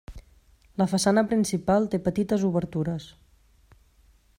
La façana principal té petites obertures.